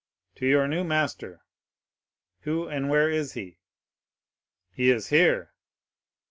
'—'To your new master.' "'Who and where is he?'—'He is here.